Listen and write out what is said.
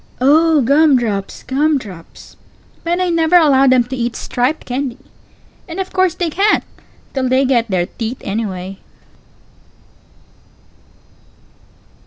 Pause. Oh, gum drops, gum drops! But I never allow them to eat striped candy. And of course they can't, till they get their teeth, anyway.